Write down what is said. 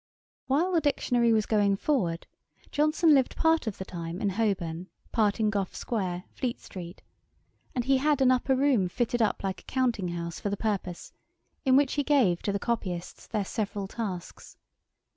] While the Dictionary was going forward, Johnson lived part of the time in Holborn, part in Gough square, Fleet street; and he had an upper room fitted up like a counting house for the purpose, in which he gave to the copyists their several tasks.